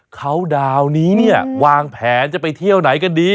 เขาดาวนี้เนี่ยวางแผนจะไปเที่ยวไหนกันดี